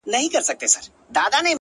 درد وچاته نه ورکوي!